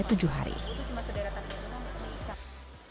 itu cuma sederhana